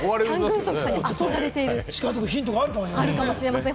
近づくヒントがあるかもしれません。